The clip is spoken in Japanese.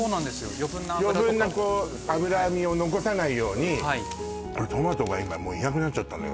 余分な脂とか余分な脂身を残さないようにトマトが今いなくなっちゃったのよ